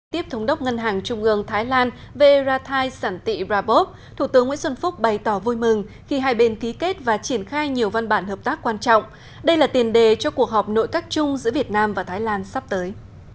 tiếp thống đốc ngân hàng trung ương thái lan verati sản tị rabov thủ tướng nguyễn xuân phúc bày tỏ vui mừng khi hai bên ký kết và triển khai nhiều văn bản hợp tác quan trọng đây là tiền đề cho cuộc họp nội các chung giữa việt nam và thái lan sắp tới